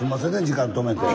時間止めて。